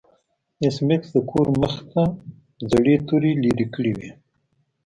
ایس میکس د کور مخې ته زړې توري لرې کړې وې